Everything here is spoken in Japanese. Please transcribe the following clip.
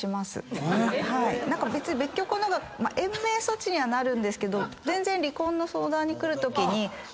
別居婚の方が延命措置にはなるんですけど全然離婚の相談に来るときに。